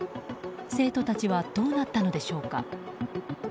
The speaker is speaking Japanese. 生徒たちはどうなったのでしょうか。